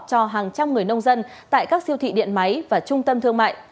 cho hàng trăm người nông dân tại các siêu thị điện máy và trung tâm thương mại